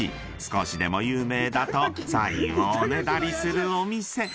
［少しでも有名だとサインをおねだりするお店］